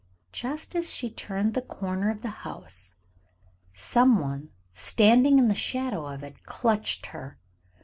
Just as she turned the corner of the house, some one standing in the shadow of it clutched her.